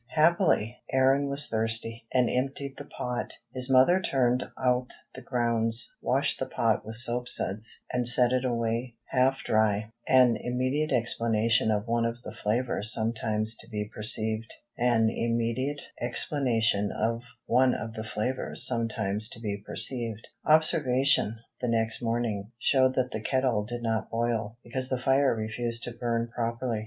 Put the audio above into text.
Happily, Aaron was thirsty, and emptied the pot. His mother turned out the grounds, washed the pot with soap suds, and set it away, half dry an immediate explanation of one of the flavors sometimes to be perceived. Observation, the next morning, showed that the kettle did not boil, because the fire refused to burn properly.